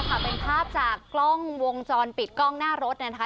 นี่แหละค่ะเป็นภาพจากกล้องวงจรปิดกล้องหน้ารถนะคะ